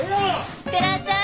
いってらっしゃい！